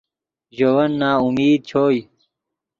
ژے ون ناامید چوئے